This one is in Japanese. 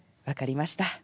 「分かりました」。